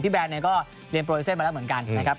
พี่แบงก็เรียนโปรไลเซ็นต์มาแล้วเหมือนกัน